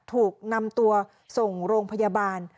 ถูกนำตัวส่งโรงพยาบาล